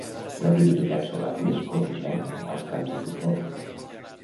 La divinitat solar més corejada als camps de futbol.